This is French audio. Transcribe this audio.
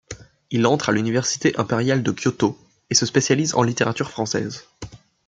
Il entre à l’Université impériale de Kyôto et se spécialise en littérature française.